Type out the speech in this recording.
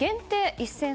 １０００